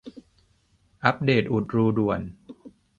อัปเดตอุดรูด่วน